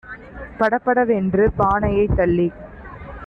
படபட வென்று பானையைத் தள்ளிக்